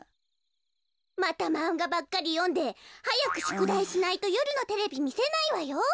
またまんがばっかりよんではやくしゅくだいしないとよるのテレビみせないわよ。